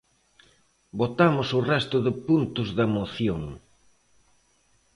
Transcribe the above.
Votamos o resto de puntos da moción.